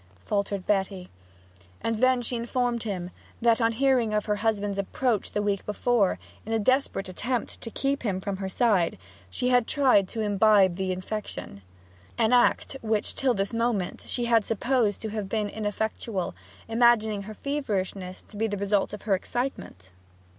faltered Betty. And then she informed him that, on hearing of her husband's approach the week before, in a desperate attempt to keep him from her side, she had tried to imbibe the infection an act which till this moment she had supposed to have been ineffectual, imagining her feverishness to be the result of her excitement.